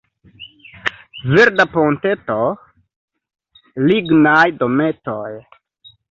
Verda ponteto, lignaj dometoj.